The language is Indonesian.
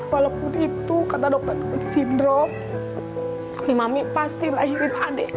walaupun itu kata dokter down sindrom tapi mami pasti lahirin adik